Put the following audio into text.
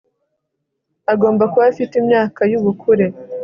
agomba kuba afite imyaka y ubukure